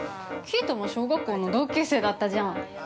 葵汰も小学校の同級生だったじゃん。